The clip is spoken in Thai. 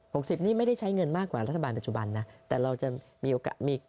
สิบนี่ไม่ได้ใช้เงินมากกว่ารัฐบาลปัจจุบันนะแต่เราจะมีโอกาสมี